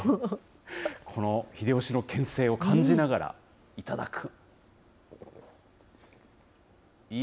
この秀吉の権勢を感じながら頂く。